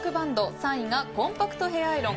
３位がコンパクトへアアイロン。